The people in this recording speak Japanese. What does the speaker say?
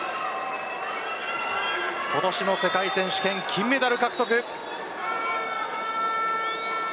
今年の世界選手権金メダル獲得。